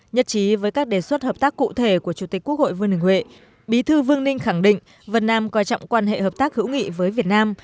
nhất trí với các đề xuất hợp tác cụ thể của chủ tịch quốc hội vương đình huệ bí thư vương ninh khẳng định vân nam coi trọng quan hệ hợp tác hữu nghị với việt nam